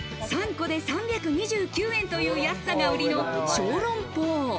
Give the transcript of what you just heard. ３個で３２９円という安さが売りの小籠包。